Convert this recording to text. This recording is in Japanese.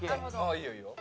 いいよいいよ